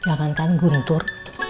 jangan kan guntur